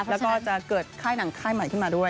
แล้วก็จะเกิดค่ายหนังค่ายใหม่ขึ้นมาด้วย